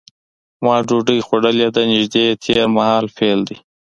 ما ډوډۍ خوړلې ده نږدې تېر مهال فعل دی.